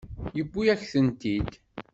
Tewwi-yak-tent-id.